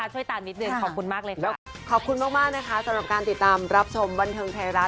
สำหรับการติดตามรับชมบันเทิงไทยรัฐ